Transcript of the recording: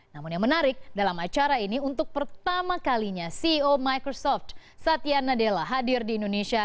namun yang menarik dalam acara ini untuk pertama kalinya ceo microsoft satya nadella hadir di indonesia